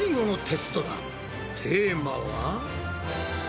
テーマは？